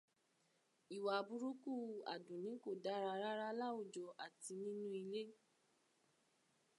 Ìwà burúkú Àdùnní kò dára rárá láwùjọ àti ní inú ilé.